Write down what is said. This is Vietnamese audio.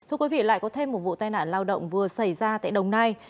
thưa quý vị lại có thêm một vụ tai nạn lao động vừa xảy ra tại đồng nai